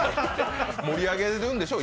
盛り上げるんでしょう？